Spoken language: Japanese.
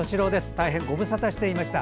大変ご無沙汰していました。